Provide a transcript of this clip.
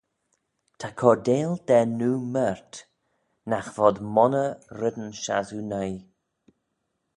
Ta cordail da noo mayrt, nagh vod monney reddyn shassoo noi.